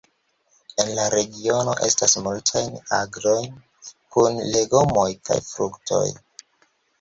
En la regiono estas multaj agroj kun legomoj kaj fruktoj.